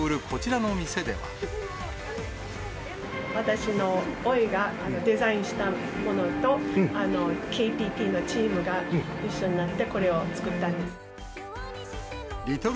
私のおいがデザインしたものと、ＫＰＰのチームが一緒になって、これを作ったんです。